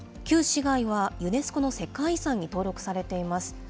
旧市街はユネスコの世界遺産に登録されています。